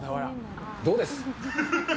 どうです？